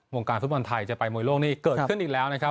การฟุตบอลไทยจะไปมวยโลกนี่เกิดขึ้นอีกแล้วนะครับ